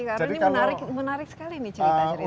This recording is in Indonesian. karena ini menarik sekali nih cerita cerita